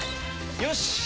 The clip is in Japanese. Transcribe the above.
よし！